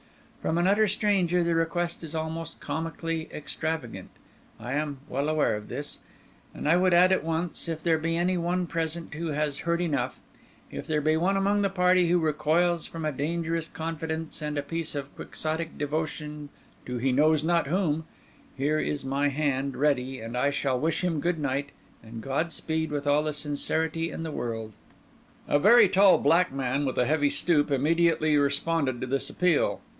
From an utter stranger the request is almost comically extravagant; I am well aware of this; and I would add at once, if there be any one present who has heard enough, if there be one among the party who recoils from a dangerous confidence and a piece of Quixotic devotion to he knows not whom—here is my hand ready, and I shall wish him good night and God speed with all the sincerity in the world." A very tall, black man, with a heavy stoop, immediately responded to this appeal.